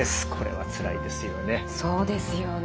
そうですよね。